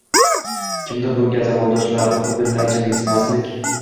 Kimdir bunga zamondoshlarini xudbinlarcha mensimaslik